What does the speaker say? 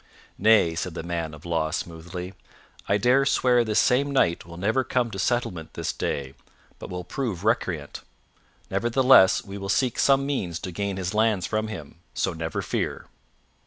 "Nay," said the man of law smoothly, "I dare swear this same knight will never come to settlement this day, but will prove recreant. Nevertheless, we will seek some means to gain his lands from him, so never fear."